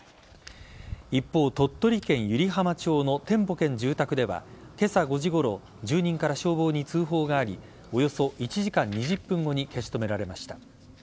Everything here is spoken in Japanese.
一方鳥取県湯梨浜町の店舗兼住宅では今朝５時ごろ住人から消防に通報がありおよそ１時間２０分後に消し止められました。